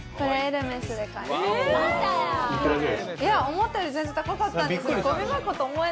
思ったより全然高かったんですよ。